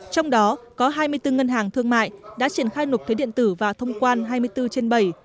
trong đó có hai mươi bốn ngân hàng thương mại đã triển khai nộp thuế điện tử và thông quan hai mươi bốn trên bảy